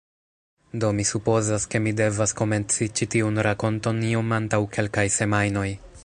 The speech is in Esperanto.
Do, mi supozas ke mi devas komenci ĉi tiun rakonton iom antaŭ kelkaj semajnoj